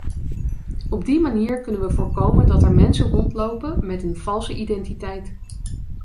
Op die manier kunnen wij voorkomen dat er mensen rondlopen met een valse identiteit.